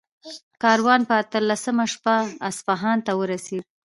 کاروان په اتلسمه شپه اصفهان ته ورسېد.